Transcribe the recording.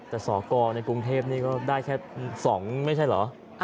แต่สอกรในกรุงเทพนี่ก็ได้แค่๒ไม่ใช่เหรอ